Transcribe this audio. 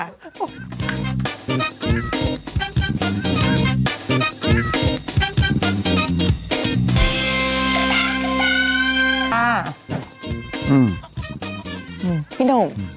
ด้วยที่โดด